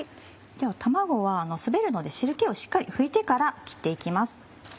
卵は滑るので汁気をしっかり拭いてから切って行きます。